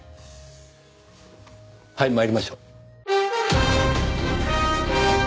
はい参りましょう。